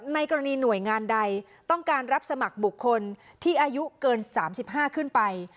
ในกรณีหน่วยงานใดต้องการรับสมัครบุคคลที่อายุเกิน๓๕ขึ้นไป